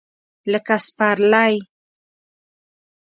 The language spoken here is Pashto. لکه سپرلی !